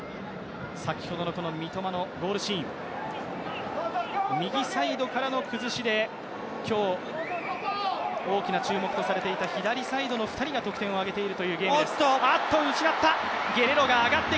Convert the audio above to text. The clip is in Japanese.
先ほどの三笘のゴールシーン、右サイドからの崩しで今日、大きな注目とされている左サイドの２人が得点を決めました